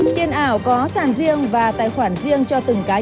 tiền ảo có sản riêng và tài khoản riêng cho từng cá nhân